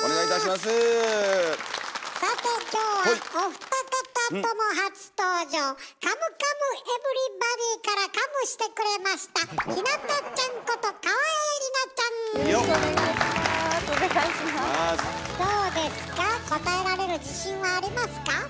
どうですか？